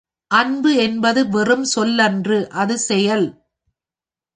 அன்பு என்பது வெறும் சொல்லன்று அது செயல்.